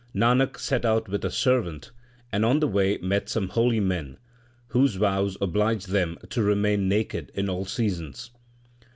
Nanak set out with a servant, and on the way met some holy men, whose vows obliged them to remain naked in all seasons.